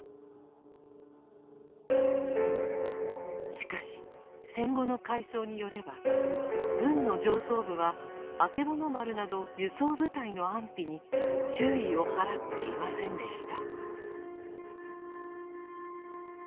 しかし戦後の回想によれば軍の上層部はあけぼの丸など輸送部隊の安否に注意を払っていませんでした。